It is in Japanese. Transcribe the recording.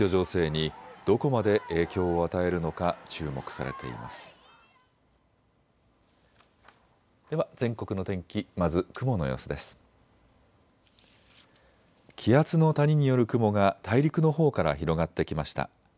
気圧の谷による雲が大陸のほうから広がってきました。